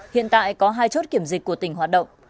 hiện tại có hai chốt kiểm dịch của tỉnh hoạt động